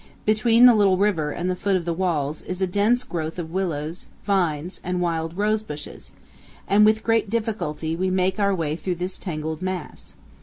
Between the little river and the foot of the walls is a dense growth of willows, vines, and wild rosebushes, and with great difficulty we make our way through this tangled mass.